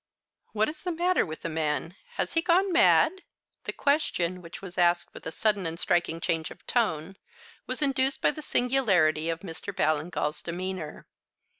What is the matter with the man? Has he gone mad?" The question, which was asked with a sudden and striking change of tone, was induced by the singularity of Mr. Ballingall's demeanour.